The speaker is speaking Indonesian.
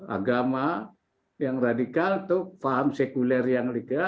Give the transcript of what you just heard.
agama yang radikal atau paham sekuler yang legal